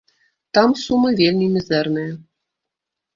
Там сумы вельмі мізэрныя.